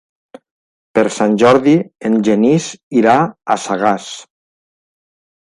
Per Sant Jordi en Genís irà a Sagàs.